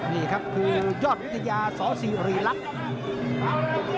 นี่ครับคุณยอดวิทยาสอสีรีลักษณ์